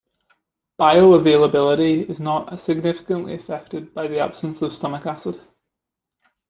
Bioavailability is not significantly affected by the absence of stomach acid.